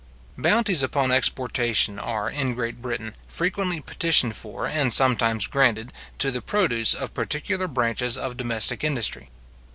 Bounties upon exportation are, in Great Britain, frequently petitioned for, and sometimes granted, to the produce of particular branches of domestic industry.